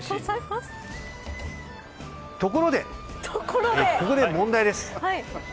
ところでここで問題です。